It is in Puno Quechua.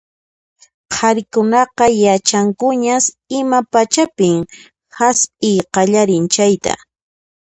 Qharikunaqa yachankuñas ima pachapin hasp'iy qallarin chayta.